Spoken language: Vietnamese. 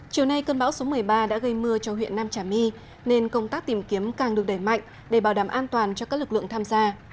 chiều nay cơn bão số một mươi ba đã gây mưa cho huyện nam trà my nên công tác tìm kiếm càng được đẩy mạnh để bảo đảm an toàn cho các lực lượng tham gia